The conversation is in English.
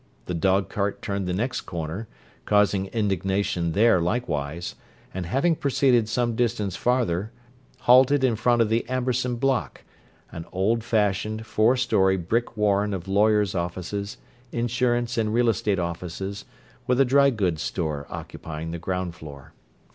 The dog cart turned the next corner, causing indignation there, likewise, and, having proceeded some distance farther, halted in front of the "Amberson Block"—an old fashioned four story brick warren of lawyers offices, insurance and realestate offices, with a "drygoods store" occupying the ground floor.